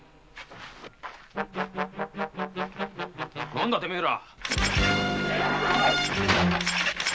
何だてめえら。